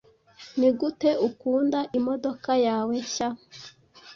Nigute ukunda imodoka yawe nshya?